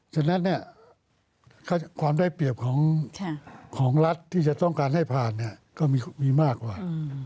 ฉะนั้นความได้เปรียบของรัฐที่จะต้องการให้ผ่านก็มีมากกว่า